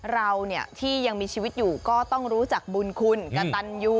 เราที่ยังมีชีวิตอยู่ก็ต้องรู้จักบุญคุณกระตันยู